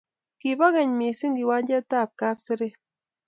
Kibo kenye mising kiwanjet ab Kapseret